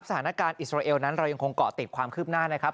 อิสราเอลนั้นเรายังคงเกาะติดความคืบหน้านะครับ